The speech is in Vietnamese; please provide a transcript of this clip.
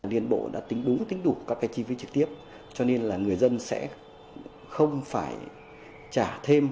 liên bộ đã tính đúng tính đủ các cái chi phí trực tiếp cho nên là người dân sẽ không phải trả thêm